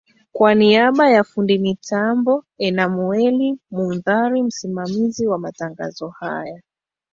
kwa niaba ya fundi mitambo enamuel muzari msimamizi wa matangazo haya